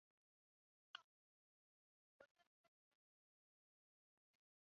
是邓小平生母谈氏的墓葬。